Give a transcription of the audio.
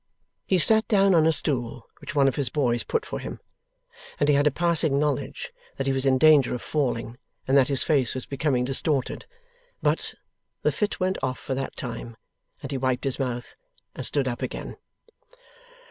He sat down on a stool which one of his boys put for him, and he had a passing knowledge that he was in danger of falling, and that his face was becoming distorted. But, the fit went off for that time, and he wiped his mouth, and stood up again.